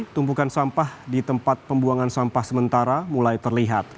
tumpukan sampah di tempat pembuangan sampah sementara mulai terlihat